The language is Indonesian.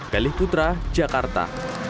galih putra jakarta